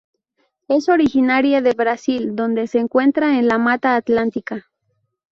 Es originaria de Brasil donde se encuentra en la Mata Atlántica.